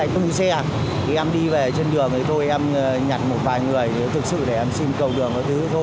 khi em đi về trên đường em nhặt một vài người thực sự để em xin cầu đường